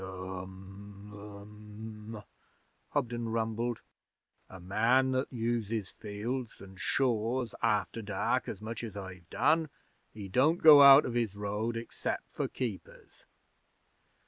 'Um um,' Hobden rumbled. 'A man that uses fields an' shaws after dark as much as I've done, he don't go out of his road excep' for keepers.'